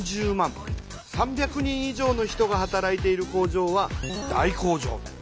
３００人以上の人が働いている工場は大工場。